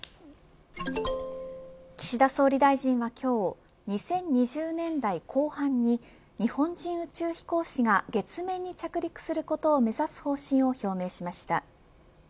岸田総理大臣は今日２０２０年代後半に日本人宇宙飛行士が月面に着陸することを目指す方針を表明しました。